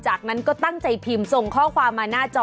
จากนั้นก็ตั้งใจพิมพ์ส่งข้อความมาหน้าจอ